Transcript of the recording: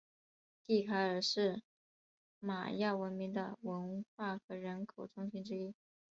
蒂卡尔是玛雅文明的文化和人口中心之一。